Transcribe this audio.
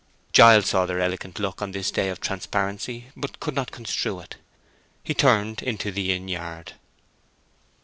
Giles saw their eloquent look on this day of transparency, but could not construe it. He turned into the inn yard.